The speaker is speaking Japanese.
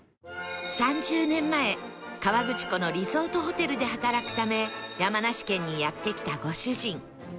３０年前河口湖のリゾートホテルで働くため山梨県にやって来たご主人